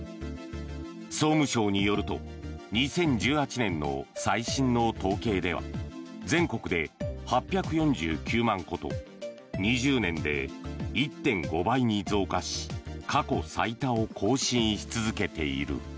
総務省によると２０１８年の最新の統計では全国で８４９万戸と２０年で１．５倍に増加し過去最多を更新し続けている。